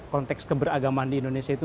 konteks keberagaman di indonesia itu